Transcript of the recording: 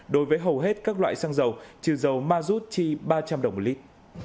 đối với hầu hết các loại xăng dầu trừ dầu ma rút chi ba trăm linh đồng một lít